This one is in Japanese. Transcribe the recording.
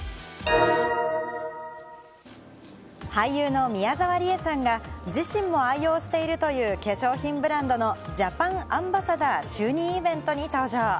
俳優の宮沢りえさんが自身も愛用しているという化粧品ブランドのジャパンアンバサダー就任イベントに登場。